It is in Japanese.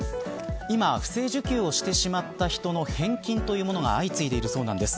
今、不正受給をしてしまった人の返金というものが相次いでいるそうなんです。